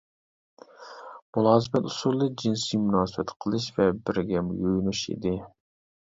مۇلازىمەت ئۇسۇلى جىنسىي مۇناسىۋەت قىلىش ۋە بىرگە يۇيۇنۇش ئىدى.